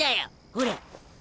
ほら。